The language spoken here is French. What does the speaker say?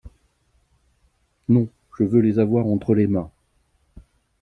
Non ; je veux les avoir entre les mains.